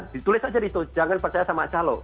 ditulis aja gitu jangan percaya sama calok